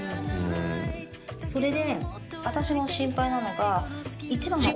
それで。